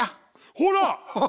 ほら！